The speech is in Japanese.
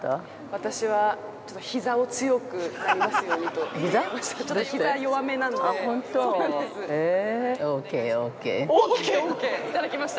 私は、ひざを強くなりますようにと祈りました。